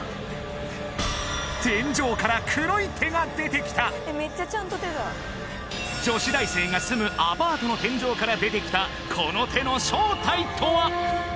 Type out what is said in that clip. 怖っ！が出てきた女子大生が住むアパートの天井から出てきたこの手の正体とは？